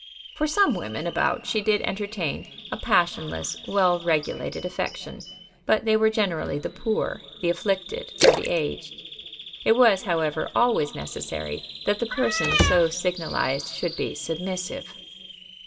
For some women about she did entertain a passionless, well regulated affection, but they were generally the poor, the afflicted, or the aged. It was, however, always necessary that the person so signalized should be submissive.